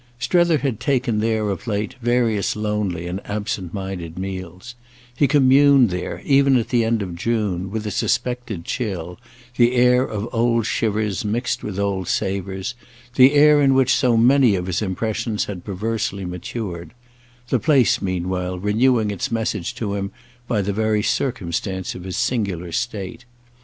Strether had taken there of late various lonely and absent minded meals; he communed there, even at the end of June, with a suspected chill, the air of old shivers mixed with old savours, the air in which so many of his impressions had perversely matured; the place meanwhile renewing its message to him by the very circumstance of his single state.